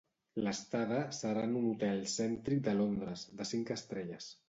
L'estada serà en un hotel cèntric de Londres, de cinc estrelles.